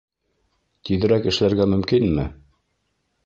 Тиҙерәк эшләргә мөмкинме?